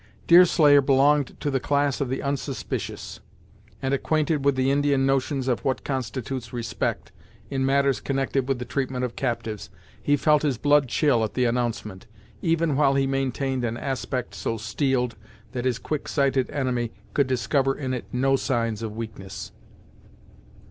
Deerslayer belonged to the class of the unsuspicious, and acquainted with the Indian notions of what constitutes respect, in matters connected with the treatment of captives, he felt his blood chill at the announcement, even while he maintained an aspect so steeled that his quick sighted enemy could discover in it no signs of weakness.